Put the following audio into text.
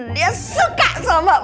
dia suka sama bi